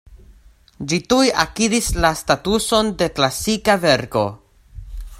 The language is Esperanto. Ĝi tuj akiris la statuson de klasika verko.